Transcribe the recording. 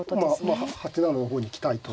まあ８七の方に行きたいと。